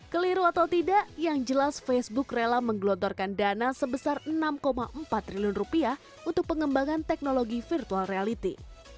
keliru atau tidak yang jelas facebook rela menggelontorkan dana sebesar enam empat triliun rupiah untuk pengembangan teknologi virtual reality